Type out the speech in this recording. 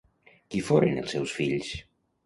Qui foren els seus fills?